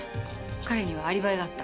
彼にはアリバイがあった。